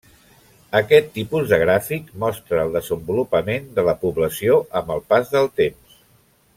Aquest tipus de gràfic mostra el desenvolupament de la població amb el pas del temps.